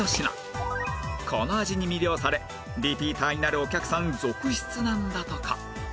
この味に魅了されリピーターになるお客さん続出なんだとか